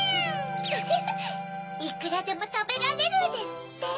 フフフ「いくらでもたべられる」ですって。